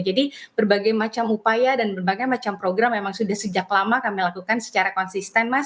jadi berbagai macam upaya dan berbagai macam program memang sudah sejak lama kami lakukan secara konsisten mas